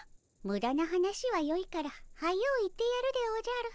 むだな話はよいから早う行ってやるでおじゃる。